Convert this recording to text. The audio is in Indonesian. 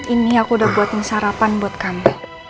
ini aku udah buat sarapan buat kamu